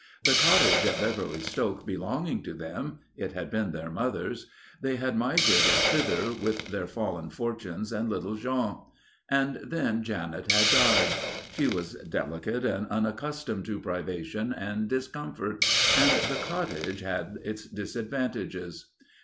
The cottage at Beverly Stoke belonging to them it had been their mother's they had migrated thither with their fallen fortunes and little Jean. And then Janet had died. She was delicate and unaccustomed to privation and discomfort and the cottage had its disadvantages.